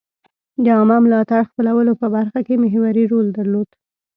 د عامه ملاتړ خپلولو په برخه کې محوري رول درلود.